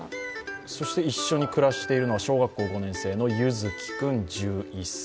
そして一緒に暮らしているのは小学５年生のゆづき君１１歳。